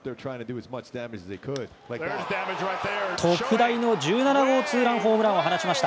特大の１７号ツーランホームランを放ちました。